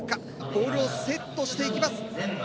ボールをセットしていきます。